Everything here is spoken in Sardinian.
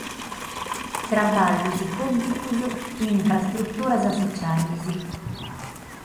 Traballos pùblicos in infrastruturas sotziales.